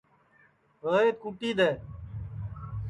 روہیت کُٹی دؔے